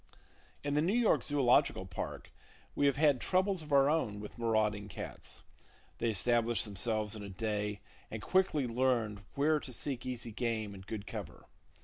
In the New York Zoological Park, we have had troubles of our own with marauding cats. They establish themselves in a day, and quickly learn where to seek easy game and good cover.